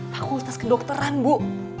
fakultas kedokteran bu